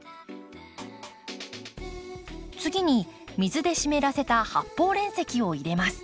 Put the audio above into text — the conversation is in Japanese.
次に水で湿らせた発泡煉石を入れます。